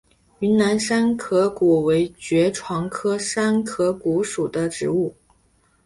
云南山壳骨为爵床科山壳骨属的植物。